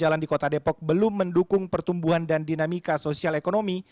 jalan di kota depok belum mendukung pertumbuhan dan dinamika sosial ekonomi